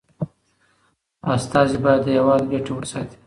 استازي باید د هیواد ګټي وساتي.